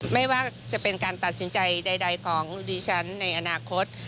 ไม่ว่าจะเป็นการตัดสินใจใดของดิฉันในอนาคต